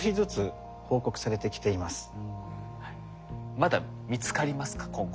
まだ見つかりますか今後。